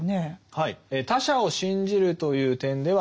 はい。